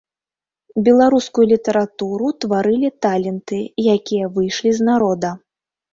Беларускую літаратуру тварылі таленты, якія выйшлі з народа.